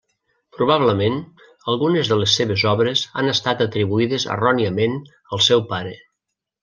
Probablement algunes de les seves obres han estat atribuïdes erròniament al seu pare.